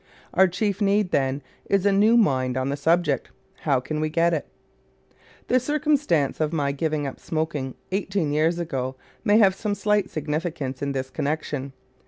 Our chief need, then, is a new mind on the subject. How can we get it? The circumstance of my giving up smoking eighteen years ago may have some slight significance in this connection.